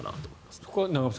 そこは永濱さん